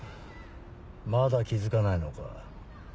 まだ気付かないのか。